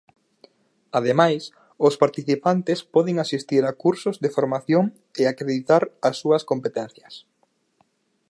Ademais, os participantes poden asistir a cursos de formación e acreditar as súas competencias.